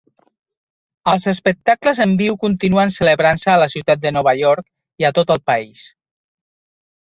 Els espectacles en viu continuen celebrant-se a la ciutat de Nova York i a tot el país.